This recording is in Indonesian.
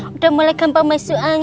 tidak ada yang berhasil